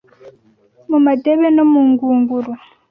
mu madebe no mu ngunguru